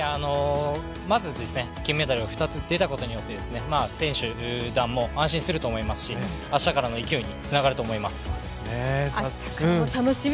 まず、金メダルが２つ出たことによって、選手団も安心すると思いますし、明日からの勢いにつながると思います。